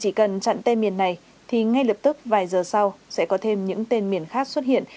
chỉ cần chặn tên miền này thì ngay lập tức vài giờ sau sẽ có thêm những tên miền khác xuất hiện